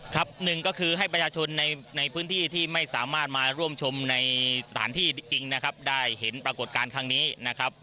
หนึ่งก็คือให้ประชาชนในพื้นที่ที่ไม่สามารถมาร่วมชมในสถานที่จริงนะครับได้เห็นปรากฏการณ์ครั้งนี้นะครับ